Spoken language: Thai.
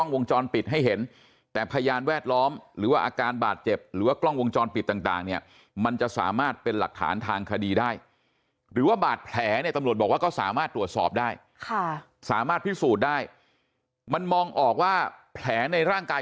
วงจรปิดต่างเนี่ยมันจะสามารถเป็นหลักฐานทางคดีได้หรือว่าบาดแผลเนี่ยตำรวจบอกว่าก็สามารถตรวจสอบได้สามารถพิสูจน์ได้มันมองออกว่าแผลในร่างกาย